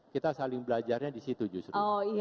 kita saling belajarnya disitu justru